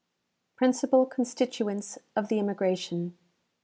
Principal Constituents of the Immigration.